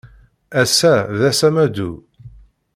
Ass-a d ass amaḍu.